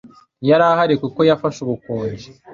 Ntiyari ahari kuko yafashe ubukonje.